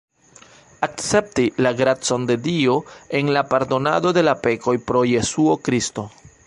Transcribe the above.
Akcepti la gracon de Dio en la pardonado de la pekoj pro Jesuo Kristo.